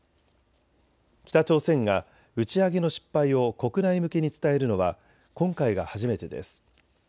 北朝鮮が打ち上げの失敗を国内向けに伝えるのは今回が初めてです。